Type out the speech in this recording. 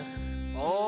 oh si abang mau